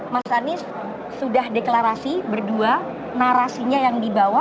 mas anies sudah deklarasi berdua narasinya yang dibawa